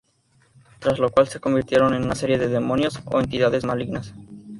Tras lo cual se convirtieron en una serie de demonios o entidades malignas.